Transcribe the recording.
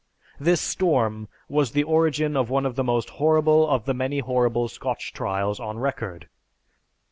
This storm was the origin of one of the most horrible of the many horrible Scotch trials on record.